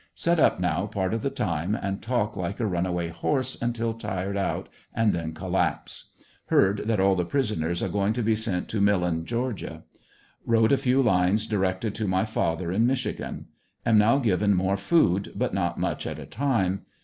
Set up now part of the time and talk like a runa way horse until tired out and then collapse. Heard that all the prisoners are going to be sent to Millen, Ga. Wrote a few lines directed to my father in Michigan. Am now given more food but not much at a time.